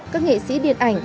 các nghệ sĩ điện ảnh